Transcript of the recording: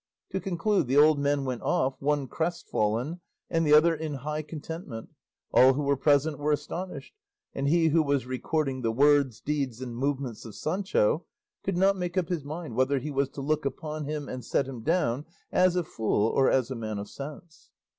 To conclude, the old men went off, one crestfallen, and the other in high contentment, all who were present were astonished, and he who was recording the words, deeds, and movements of Sancho could not make up his mind whether he was to look upon him and set him down as a fool or as a man of sense.